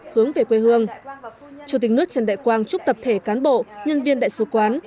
hướng về quê hương chủ tịch nước trần đại quang chúc tập thể cán bộ nhân viên đại sứ quán